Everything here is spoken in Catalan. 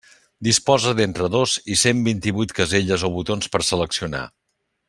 Disposa d'entre dos i cent vint-i-vuit caselles o botons per seleccionar.